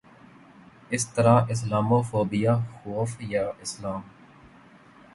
اس طرح Islamophobia خوف یا اسلام